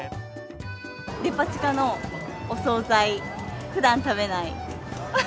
デパ地下のお総菜、ふだん食べない。